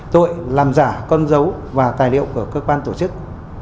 tội làm giả con dấu và tài liệu của cơ quan tổ chức